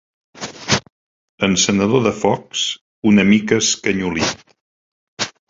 Encenedor de focs una mica escanyolit.